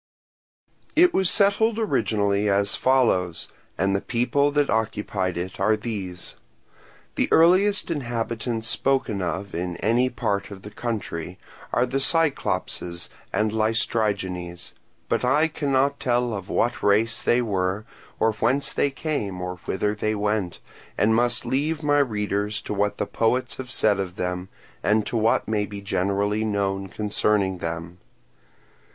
It was settled originally as follows, and the peoples that occupied it are these. The earliest inhabitants spoken of in any part of the country are the Cyclopes and Laestrygones; but I cannot tell of what race they were, or whence they came or whither they went, and must leave my readers to what the poets have said of them and to what may be generally known concerning them.